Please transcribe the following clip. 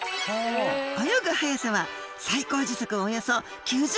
泳ぐ速さは最高時速およそ９０ｋｍ。